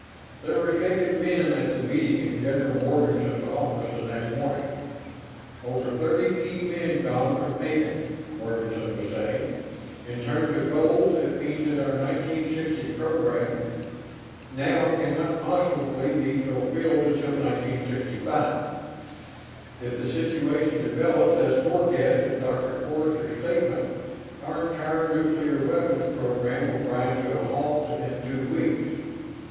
They were shaken men at the meeting in General Morganson's office the next morning. "Over 30 key men gone from Aiken," Morganson was saying. "In terms of goals, it means that our 1960 program now cannot possibly be fulfilled until 1965. If the situation develops as forecast in Dr. Forster's statement, our entire nuclear weapons program will grind to a halt within two weeks.